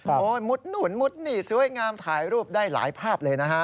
โอ้โหมุดนู่นมุดนี่สวยงามถ่ายรูปได้หลายภาพเลยนะฮะ